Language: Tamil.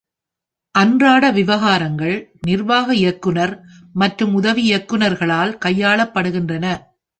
அன்றாட விவகாரங்கள் நிர்வாக இயக்குநர் மற்றும் உதவி இயக்குநர்களால் கையாளப்படுகின்றன.